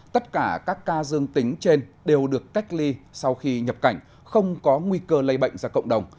tất cả các ca dương tính trên đều được cách ly sau khi nhập cảnh không có nguy cơ lây bệnh ra cộng đồng